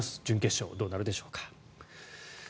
準決勝どうなるでしょうか。